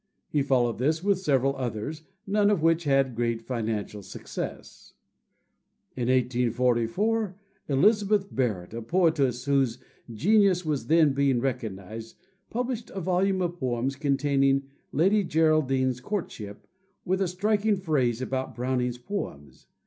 He followed this with several others, none of which had great financial success. In 1844 Elizabeth Barrett, a poetess whose genius was then being recognized, published a volume of poems containing "Lady Geraldine's Courtship," with a striking phrase about Browning's poems.